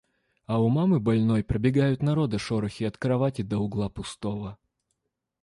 А у мамы больной пробегают народа шорохи от кровати до угла пустого.